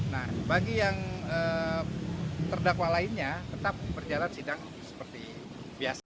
nah bagi yang terdakwa lainnya tetap berjalan sidang seperti biasa